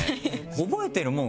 覚えてるもん？